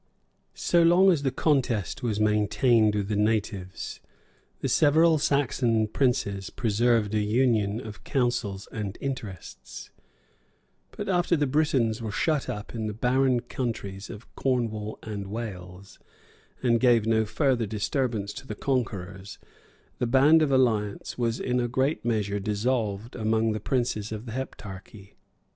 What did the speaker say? So long as the contest was maintained with the natives, the several Saxon princes preserved a union of counsels and interests; but after the Britons were shut up in the barren countries of Cornwall and Wales, and gave no further disturbance to the conquerors, the band of alliance was in a great measure dissolved among the princes of the Heptarchy.